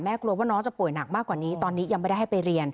กลัวว่าน้องจะป่วยหนักมากกว่านี้ตอนนี้ยังไม่ได้ให้ไปเรียน